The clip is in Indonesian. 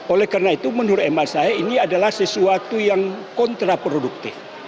oleh karena itu menurut emak saya ini adalah sesuatu yang kontraproduktif